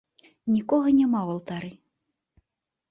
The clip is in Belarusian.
Нікога няма ў алтары.